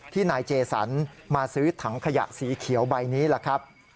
นายเจสันมาซื้อถังขยะสีเขียวใบนี้ล่ะครับ